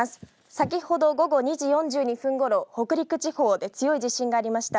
先ほど午後２時４２分ごろ北陸地方で強い地震がありました。